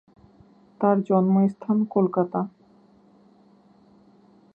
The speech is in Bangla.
তার জন্ম স্থান কলকাতা।